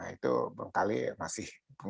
itu berkali masih